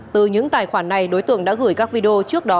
từ những tài khoản này đối tượng đã gửi các video trước đó